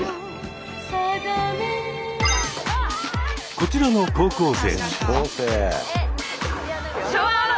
こちらの高校生。